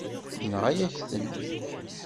Yenɣa-yak-ten.